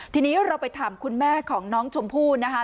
ทีนี้เราไปถามคุณแม่ของน้องชมพู่นะคะ